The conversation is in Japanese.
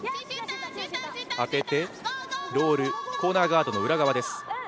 当ててロール、コーナーガードの裏側です。